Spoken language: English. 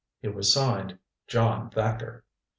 It was signed "John Thacker."